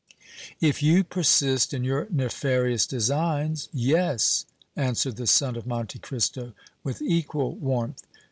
"If you persist in your nefarious designs, yes!" answered the son of Monte Cristo, with equal warmth.